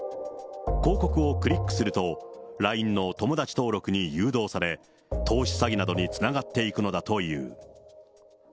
広告をクリックすると、ＬＩＮＥの友達登録に誘導され、投資詐欺などにつながっていくのだという。